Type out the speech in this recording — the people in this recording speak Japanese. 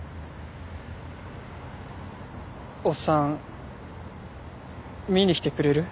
おっさん見に来てくれる？